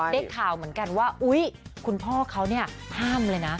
ได้ข่าวเหมือนกันว่าอุ๊ยคุณพ่อเขาเนี่ยห้ามเลยนะ